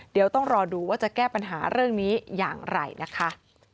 เดี๋ยวต้องรอดูว่าจะแก้ปัญหาเรื่องนี้อย่างไรนะคะ